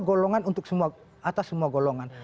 golongan untuk semua atas semua golongan